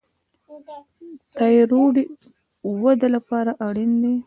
تایرویډ وده لپاره اړین دی.